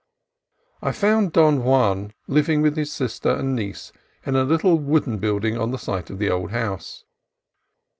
I found Don Juan living with his sister and his niece in a little wooden build ing on the site of the old house.